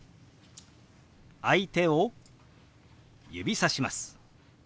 相手を指さします。